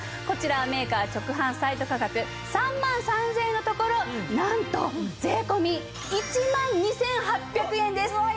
こちらはメーカー直販サイト価格３万３０００円のところなんと税込１万２８００円です。